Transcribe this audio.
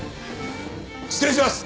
失礼します！